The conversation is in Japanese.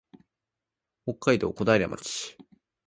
北海道小平町